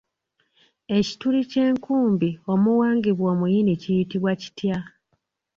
Ekituli ky'enkumbi omuwangibwa omuyini kiyitibwa kitya?